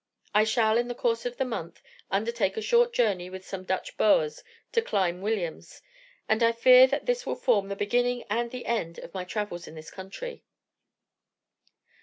I shall, in the course of the month, undertake a short journey with some Dutch boers to Klein Williams; and I fear that this will form the beginning and the end of my travels in this country.'